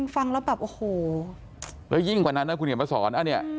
ฟังแล้วแบบโอโหแล้วยิ่งควรชัดมาสอนอันนี้